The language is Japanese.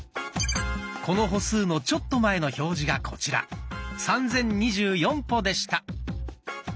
この歩数のちょっと前の表示がこちら３，０２４歩でした。